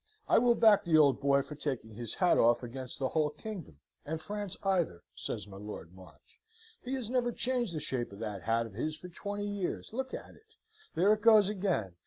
"I will back the old boy for taking his hat off against the whole kingdom, and France either," says my Lord March. "He has never changed the shape of that hat of his for twenty years. Look at it. There it goes again!